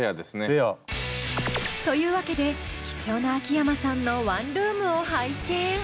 レア。というわけで貴重な秋山さんのワンルームを拝見。